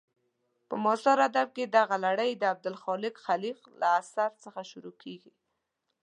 په معاصر ادب کې دغه لړۍ د عبدالخالق خلیق له اثر څخه شروع کېږي.